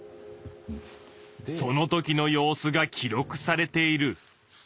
そのときの様子が記録されている。